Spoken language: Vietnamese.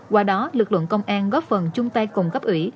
qua đó lực lượng công an góp phần chung tay cùng cấp ủy